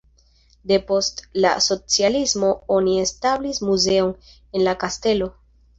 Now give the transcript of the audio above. Depost la socialismo oni establis muzeon en la kastelo.